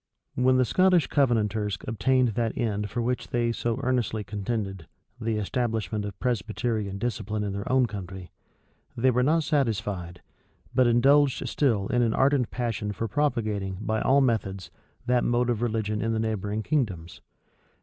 When the Scottish Covenanters obtained that end for which they so earnestly contended, the establishment of Presbyterian discipline in their own country, they were not satisfied, but indulged still in an ardent passion for propagating, by all methods, that mode of religion in the neighboring kingdoms.